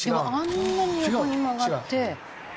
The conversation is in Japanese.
あんなに横に曲がって。